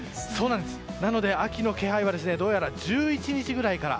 なので、秋の気配はどうやら１１日ぐらいから。